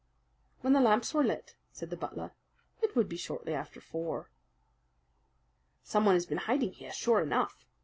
"When the lamps were lit," said the butler. "It would be shortly after four." "Someone had been hiding here, sure enough."